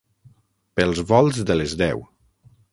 Pels volts de les deu.